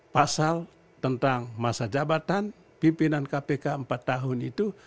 pasal tentang masa jabatan pimpinan kpk empat tahun itu